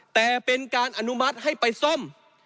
แต่เป็นการอนุมัติให้ไปซ่อม